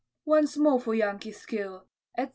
once more for Yankee skill, etc.